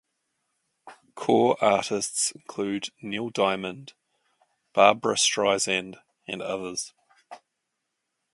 Core artists included Neil Diamond, Barbra Streisand and others.